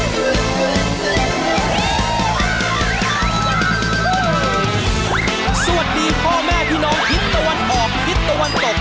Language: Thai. สวัสดีพ่อแม่พี่น้องทิศตะวันออกทิศตะวันตก